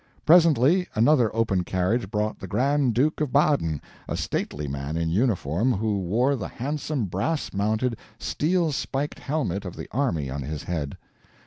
Presently another open carriage brought the Grand Duke of Baden, a stately man in uniform, who wore the handsome brass mounted, steel spiked helmet of the army on his head.